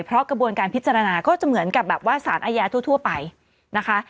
เพราะกระบวนการพิจารณาก็จะเหมือนกับแบบว่าสารอาญาทั่วไปนะคะ